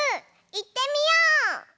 いってみよう！